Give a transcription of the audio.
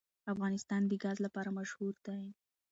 افغانستان د ګاز لپاره مشهور دی.